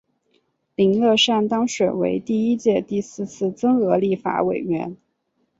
林乐善当选为第一届第四次增额立法委员。